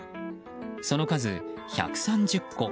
その数１３０個。